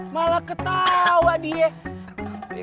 malah ketawa dia